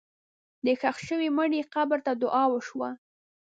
د ښخ شوي مړي قبر ته دعا وشوه.